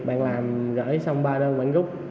bạn làm gửi xong ba đơn bạn gúc